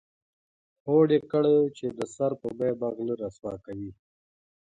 هوډ یې کړی و چې د سر په بیه به غله رسوا کوي.